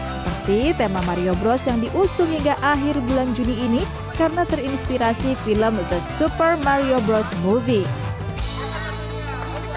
seperti tema mario bros yang diusung hingga akhir bulan juni ini karena terinspirasi film the super mario bross movie